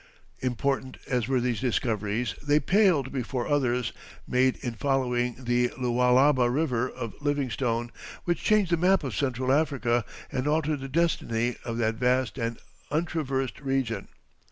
] Important as were these discoveries they paled before others, made in following the Lualaba River of Livingstone, which changed the map of Central Africa and altered the destiny of that vast and untraversed region.